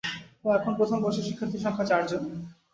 তো, এখন প্রথম বর্ষের শিক্ষার্থীর সংখ্যা চারজন।